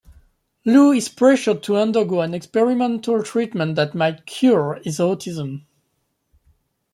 Lou is pressured to undergo an experimental treatment that might "cure" his autism.